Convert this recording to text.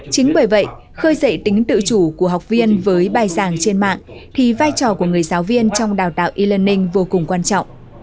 chính bởi vậy khơi dậy tính tự chủ của học viên với bài giảng trên mạng thì vai trò của người giáo viên trong đào tạo e learning vô cùng quan trọng